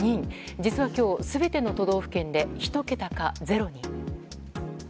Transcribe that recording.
実は、今日全ての都道府県で１桁かゼロに。